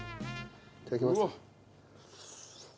いただきます。